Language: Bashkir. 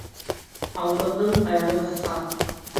Алдыҡтың аяғы ҡыҫҡа.